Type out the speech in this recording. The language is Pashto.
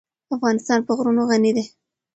افغانستان په غرونه غني دی.